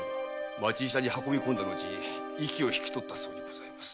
町医者に運び込んだ後息を引き取ったそうです。